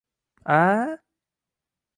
aaaaaaa?